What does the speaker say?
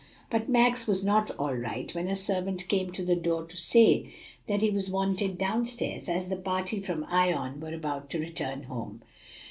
But Max was not all right when a servant came to the door to say that he was wanted down stairs, as the party from Ion were about to return home.